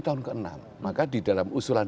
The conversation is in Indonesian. tahun ke enam maka di dalam usulan